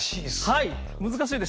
はい。